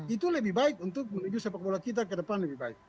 itu lebih baik untuk menuju sepak bola kita ke depan lebih baik